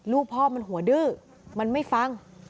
ลูกพ่อมันหัวดื้อมันไม่ฟัง